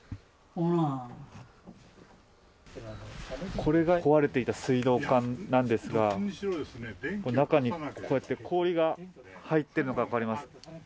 これが壊れていた水道管なんですが中にこうやって氷が入っているのがわかります。